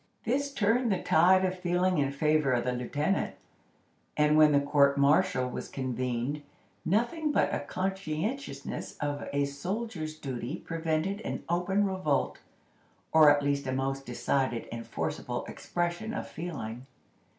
This turned the tide of feeling in favor of the lieutenant, and when the court martial was convened, nothing but a consciousness of a soldier's duty prevented an open revolt, or at least a most decided and forcible expression of feeling.